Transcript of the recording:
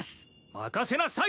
任せなさい！